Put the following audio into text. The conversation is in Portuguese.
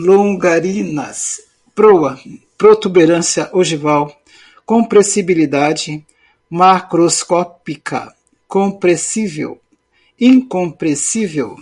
longarinas, proa, protuberância ogival, compressibilidade, macroscópica, compressível, incompressível